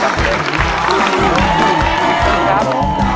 ขอบคุณครับ